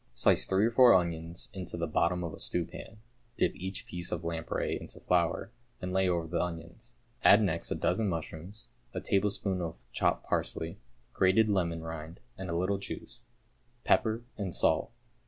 Slice three or four onions into the bottom of a stewpan, dip each piece of lamprey into flour, and lay over the onions. Add next a dozen mushrooms, a tablespoonful of chopped parsley, grated lemon rind and a little juice, pepper, and salt.